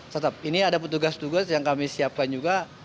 tetap ini ada petugas petugas yang kami siapkan juga